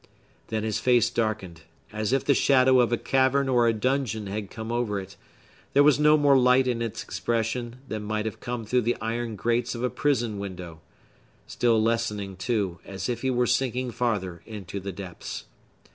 Then his face darkened, as if the shadow of a cavern or a dungeon had come over it; there was no more light in its expression than might have come through the iron grates of a prison window—still lessening, too, as if he were sinking farther into the depths.